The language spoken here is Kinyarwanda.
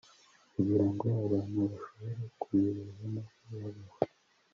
kugira ngo abantu bashobore kuyireba maze babeho